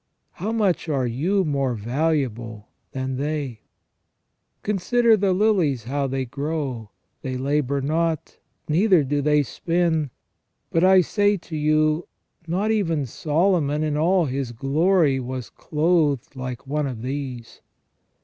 How much are you more valuable than they ?... Consider the lilies how they grow : they labour not, neither do they spin. But I say to you, not even Solomon in all his glory was clothed like one of these.